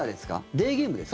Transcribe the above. デーゲームですか？